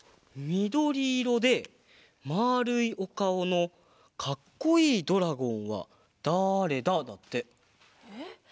みどりいろでまあるいおかおのかっこいいドラゴン？